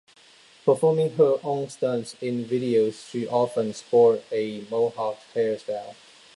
Performing her own stunts in videos, she often sported a Mohawk hairstyle.